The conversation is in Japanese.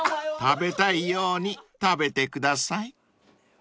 ［食べたいように食べてください］